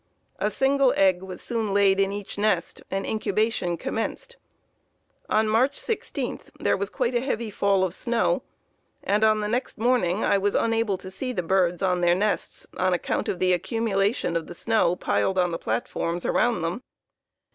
A single egg was soon laid in each nest and incubation commenced. On March 16, there was quite a heavy fall of snow, and on the next morning I was unable to see the birds on their nests on account of the accumulation of the snow piled on the platforms around them.